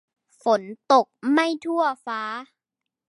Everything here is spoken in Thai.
ฝนตกไม่ทั่วฟ้า